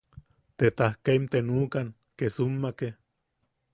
Te tajkaim te nuʼukan Kesummake.